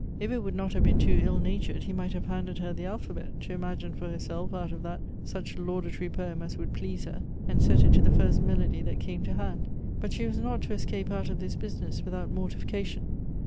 If it would not have been too ill natured, he might have handed her the alphabet, to imagine for herself, out of that, such laudatory poem as would please her, and set it to the first melody that came to hand ; but she was not to escape out of this business without mortification.